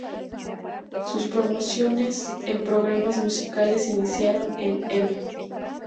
Sus promociones en programas musicales iniciaron en "M!